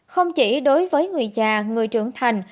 không chỉ đối với người già người trưởng thành